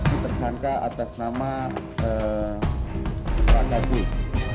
ini tersangka atas nama pak gagud